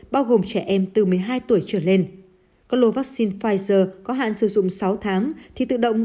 bao gồm trẻ em từ một mươi hai tuổi trở lên có lô vaccine pfizer có hạn sử dụng sáu tháng thì tự động